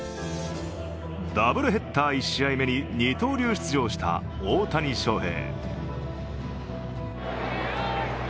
ダブルヘッダー１試合目に二刀流出場した大谷翔平。